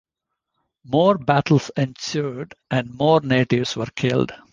More battles ensued and more natives were killed.